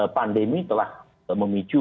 pandemi telah memicu